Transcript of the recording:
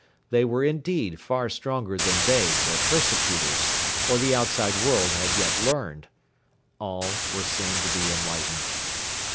They were indeed far stronger than they, their persecutors, or the outside world had yet learned. All were soon to be enlightened.